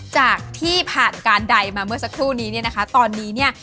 จากที่ผ่านการใดมาเมื่อสักครู่นี้เนี่ยนะคะตอนนี้เนี่ย